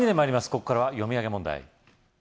ここからは読み上げ問題